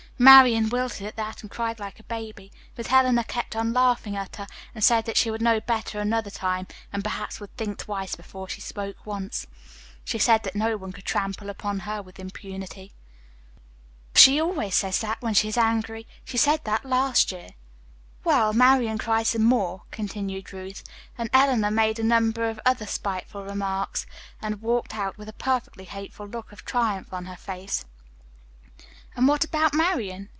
"Marian wilted at that and cried like a baby, but Eleanor kept on laughing at her, and said that she would know better another time, and perhaps would think twice before she spoke once. She said that no one could trample upon her with impunity." "Oh, pshaw," exclaimed Grace impatiently. "She always says that when she is angry. She said that last year." "Well, Marian cried some more," continued Ruth, "and Eleanor made a number of other spiteful remarks and walked out with a perfectly hateful look of triumph on her face." "And what about Marian?"